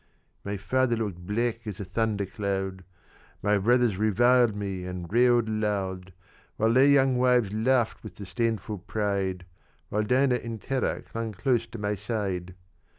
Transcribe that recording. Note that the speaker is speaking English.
"My father looked black as a thunder cloud, My brothers reviled me and railed aloud, And their young wives laughed with disdainful pride, While Dinah in terror clung close to my side.